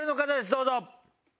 どうぞ。